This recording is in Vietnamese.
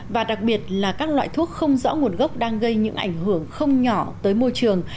và đặc biệt là các loại thuốc không rõ nguồn gốc đang gây những ảnh hưởng không nhỏ tới môi trường